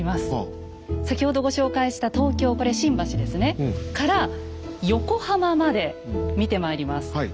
先ほどご紹介した東京これ新橋ですねから横浜まで見てまいります。